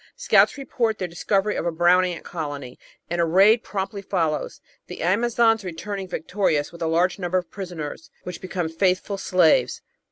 Scouts report their dis covery of a Brown Ant colony, and a raid promptly follows, the Amazons returning victorious with a large number of prisoners, which become faithful slaves.